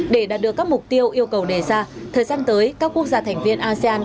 để đạt được các mục tiêu yêu cầu đề ra thời gian tới các quốc gia thành viên asean